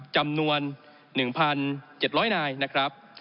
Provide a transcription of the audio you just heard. จำนวน๑๗๐๐นายนะครับ